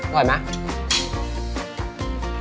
อร่อยไหม